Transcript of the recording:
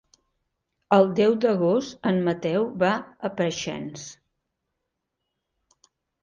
El deu d'agost en Mateu va a Preixens.